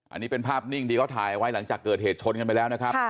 อันนี้เป็นภาพนิ่งที่เขาถ่ายไว้หลังจากเกิดเหตุชนกันไปแล้วนะครับ